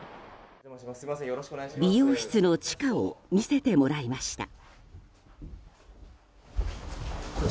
美容室の地下を見せてもらいました。